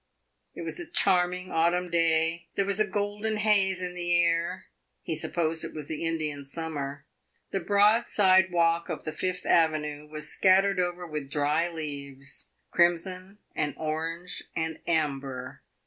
It was a charming autumn day; there was a golden haze in the air; he supposed it was the Indian summer. The broad sidewalk of the Fifth Avenue was scattered over with dry leaves crimson and orange and amber.